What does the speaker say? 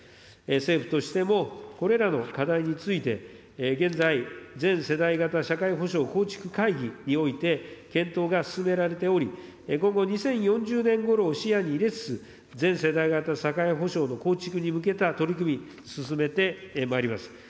政府としてもこれらの課題について、現在、全世代型社会保障構築会議において、検討が進められており、今後２０４０年ごろを視野に入れつつ、全世代型社会保障の構築に向けた取り組み、進めてまいります。